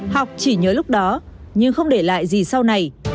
học chỉ nhớ lúc đó nhưng không để lại gì sau này